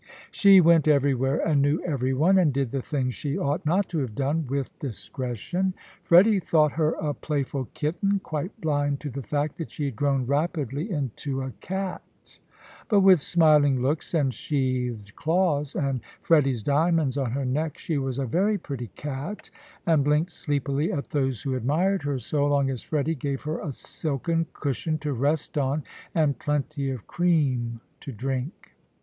She went everywhere and knew everyone, and did the things she ought not to have done, with discretion. Freddy thought her a playful kitten, quite blind to the fact that she had grown rapidly into a cat. But with smiling looks and sheathed claws, and Freddy's diamonds on her neck, she was a very pretty cat, and blinked sleepily at those who admired her, so long as Freddy gave her a silken cushion to rest on and plenty of cream to drink.